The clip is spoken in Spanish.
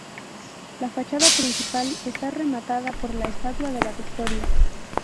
La fachada principal está rematada por la estatua de la Victoria.